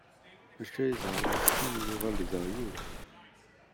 Maca i ẓẓher amcum, yuɣal d aɣyul.